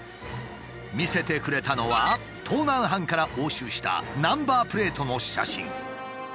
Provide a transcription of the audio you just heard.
見せてくれたのは盗難犯から押収したナンバープレートの写真。